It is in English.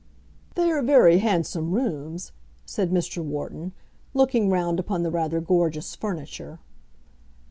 "They are very handsome rooms," said Mr. Wharton, looking round upon the rather gorgeous furniture.